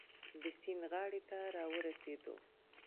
د سیند غاړې ته را ورسېدو.